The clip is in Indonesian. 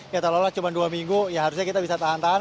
kita lolah cuma dua minggu ya harusnya kita bisa tahan tahan